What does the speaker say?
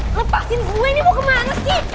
lepasin gue ini mau kemana sih